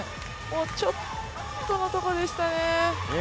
もうちょっとのところでしたね。